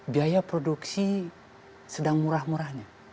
biaya produksi sedang murah murahnya